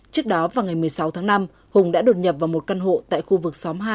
trước đó vào ngày một mươi sáu tháng năm hùng đã đột nhập vào một căn hộ tại khu vực xóm hai